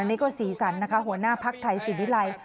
อันนี้ก็ศรีสรรค์นะคะหัวหน้าภาคไทยศิริลัย